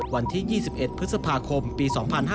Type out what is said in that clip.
วันที่๒๑พฤษภาคมปี๒๕๕๙